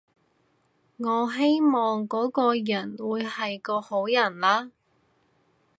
我希望嗰個人會係個好人啦